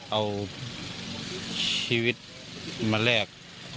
เอาชีวิตมาแลก